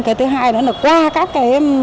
cái thứ hai là qua các cái